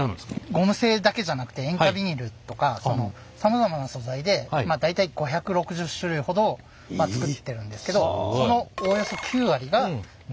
ゴム製だけじゃなくて塩化ビニールとかそのさまざまな素材でまあ大体５６０種類ほど作ってるんですけどそのおおよそ９割がゴム製の手袋となっています。